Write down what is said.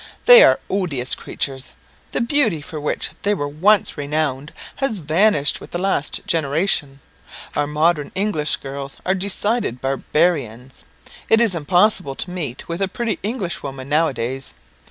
They are odious creatures. The beauty for which they were once renowned has vanished with the last generation. Our modern English girls are decided barbarians. It is impossible to meet with a pretty English woman now a days.